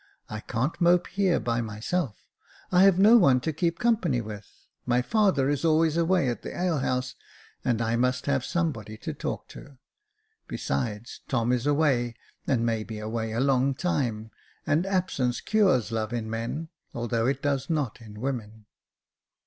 I can't mope here by myself; I have no one to keep company with ; my father is always away at the alehouse, and I must have somebody to talk to. Besides, Tom is away, and may be away a long while, and absence cures love in men, although it does not in women."